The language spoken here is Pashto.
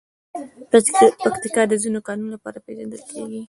پکتیکا د ځینو کانونو لپاره پېژندل کېږي.